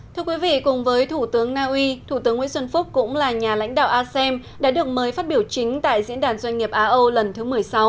thưa quý vị cùng với thủ tướng naui thủ tướng nguyễn xuân phúc cũng là nhà lãnh đạo asem đã được mới phát biểu chính tại diễn đàn doanh nghiệp á âu lần thứ một mươi sáu